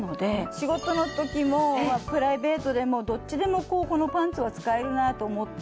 仕事の時もプライベートでもどっちでもこのパンツは使えるなと思って。